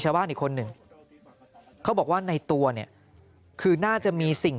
ชาวบ้านอีกคนหนึ่งเขาบอกว่าในตัวเนี่ยคือน่าจะมีสิ่ง